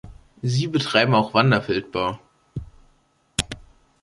Sie betreiben auch Wanderfeldbau.